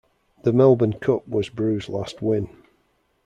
The Melbourne Cup was Brew's last win.